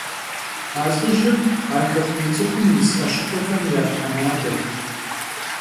A lh'ıjır a xeku mıts'ıxum yis 'eşıxhuexem ya themadet.